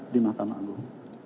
di mahkamah agung